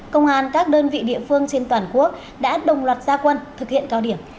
công an các đơn vị địa phương trên toàn quốc đã đồng loạt gia quân thực hiện cao điểm